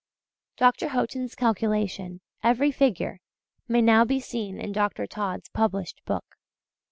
Dr. Haughton's calculation every figure may now be seen in Dr. Todd's published book.